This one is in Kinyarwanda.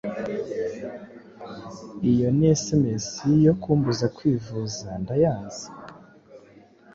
Iyo nsms yo kumbuza kwivuza ndayanze